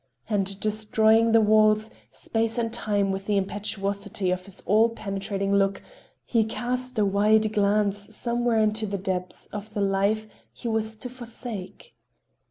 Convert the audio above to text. And destroying the walls, space and time with the impetuosity of his all penetrating look, he cast a wide glance somewhere into the depth of the life he was to forsake.